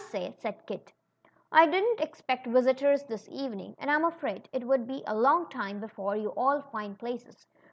say,'' said Kit, didn't expect visitors this even ing, and I'm afraid it will be a long time before yon all find places.